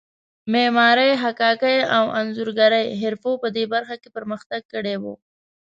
معمارۍ، حکاکۍ او انځورګرۍ حرفو په دې وخت کې پرمختګ کړی و.